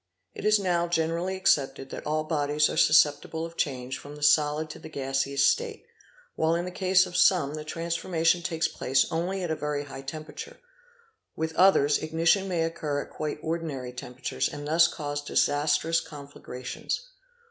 It is now generally accepted that all bodies are sus ceptible of change from the solid to the gaseous state; while in the case of some the transformation takes place only at a very high tempera ture, (1231 1239) with others ignition may occur at quite ordinary temperatures and thus cause disastrous conflagrations.